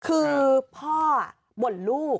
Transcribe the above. คือพ่อบ่นลูก